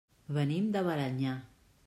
Venim de Balenyà.